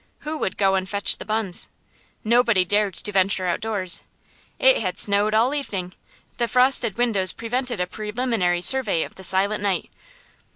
Who would go and fetch the buns? Nobody dared to venture outdoors. It had snowed all evening; the frosted windows prevented a preliminary survey of the silent night.